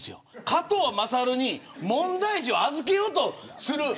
加藤優に問題児を預けようとする。